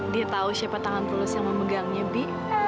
dia tahu siapa tangan tulus yang memegangnya bi